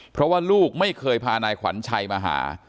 เพราะว่าลูกไม่เคยพานายขวัญชัยมาหา